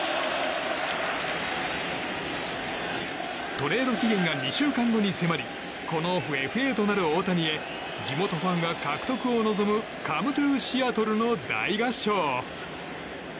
トレード期限が２週間後に迫りこのオフ、ＦＡとなる大谷へ地元ファンが獲得を望む「カム・トゥ・シアトル」の大合唱。